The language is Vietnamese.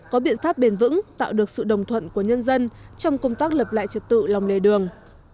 có biện pháp bền vững tạo được sự đồng thuận của nhân dân trong công tác lập lại trật tự lòng lề đường